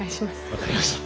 分かりました。